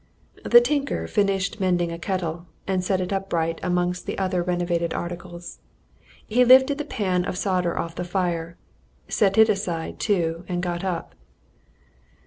The tinker finished mending a kettle and set it aside amongst other renovated articles. He lifted the pan of solder off the fire, set it aside, too, and got up.